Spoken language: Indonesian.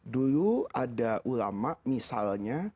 dulu ada ulama misalnya